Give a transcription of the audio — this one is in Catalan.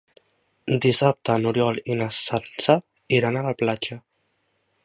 Dissabte n'Oriol i na Sança iran a la platja.